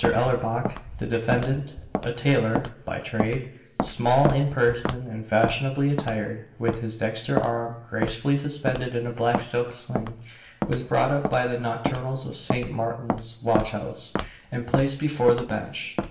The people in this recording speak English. Ellerbach, the defendant, a tailor (by trade), small in person and fashionably attired, with his dexter arm gracefully suspended in a black silk sling, was brought up by the nocturnals of St. Martin's watch house, and placed before the bench.